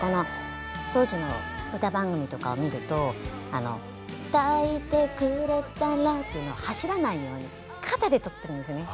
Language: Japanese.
当時の歌番組とかを見ると「抱いてくれたら」っていうのを走らないように肩でとってるんですよね。